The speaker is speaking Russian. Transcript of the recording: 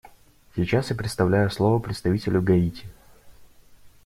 Сейчас я предоставляю слово представителю Гаити.